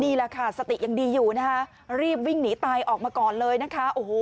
นี่แหละค่ะสติยังดีอยู่นะคะรีบวิ่งหนีตายออกมาก่อนเลยนะคะโอ้โห